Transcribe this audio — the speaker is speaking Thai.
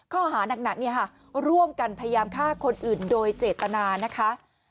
ข้อหานักร่วมกันพยายามฆ่าคนอื่นโดยเจตนานะคะ